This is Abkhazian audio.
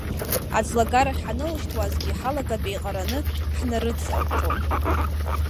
Аӡлагарахь ҳанылышьҭуазгьы, ҳалагатә еиҟараны ҳнарыҵалҵон.